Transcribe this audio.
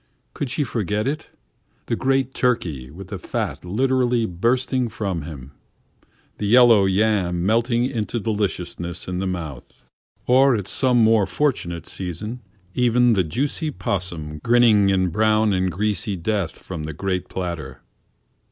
Could she forget it? The great turkey, with the fat literally bursting from him; the yellow yam melting into deliciousness in the mouth; or in some more fortunate season, even the juicy 'possum grinning in brown and greasy death from the great platter.